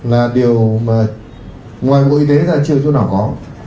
là điều mà ngoài mọi y tế ra chưa chỗ nào có